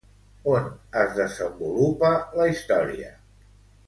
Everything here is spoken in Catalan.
On es desenvolupa la història?